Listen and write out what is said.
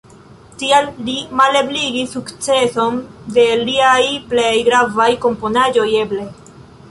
Tial li malebligis sukceson de liaj plej gravaj komponaĵoj eble.